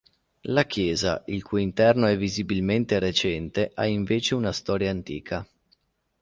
La chiesa, il cui interno è visibilmente recente, ha invece una storia antica.